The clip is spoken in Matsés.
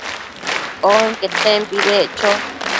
onquetempi beccho